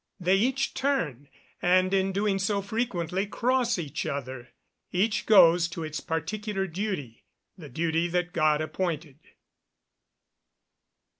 They each turn, and, in doing so, frequently cross each other. Each goes to its particular duty the duty that God appointed.